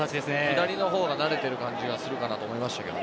左の方が慣れている感じがするかなと思いましたけど。